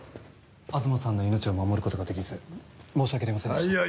東さんの命を守る事ができず申し訳ありませんでした。